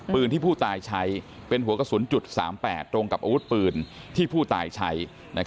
ปืนที่ผู้ตายใช้เป็นหัวกระสุนจุด๓๘ตรงกับอาวุธปืนที่ผู้ตายใช้